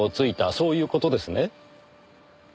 そういう事ですね？